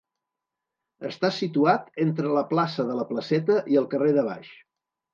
Està situat entre la plaça de la Placeta i el carrer de Baix.